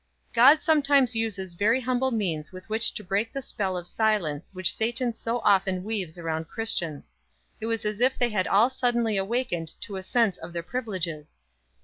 God sometimes uses very humble means with which to break the spell of silence which Satan so often weaves around Christians; it was as if they had all suddenly awakened to a sense of their privileges.